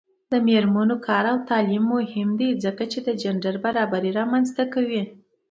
د میرمنو کار او تعلیم مهم دی ځکه چې جنډر برابري رامنځته کوي.